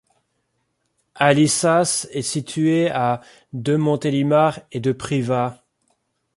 Alissas est située à de Montélimar et de Privas.